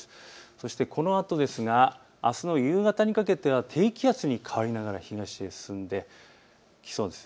そしてこのあとですがあすの夕方にかけては低気圧に変わりながら東へ進んできそうです。